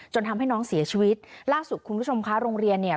ทำให้น้องเสียชีวิตล่าสุดคุณผู้ชมคะโรงเรียนเนี่ย